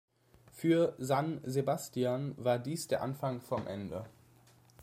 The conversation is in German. Für San Sebastian war dies der Anfang vom Ende.